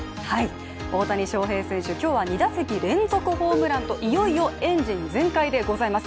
大谷翔平選手、今日は２打席連続ホームランといよいよエンジン全開でございます。